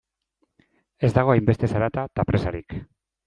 Ez dago hainbeste zarata eta presarik.